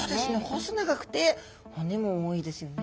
細長くて骨も多いですよね。